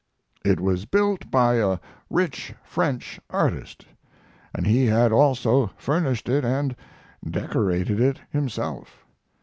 It was built by a rich French artist, and he had also furnished it and decorated it himself.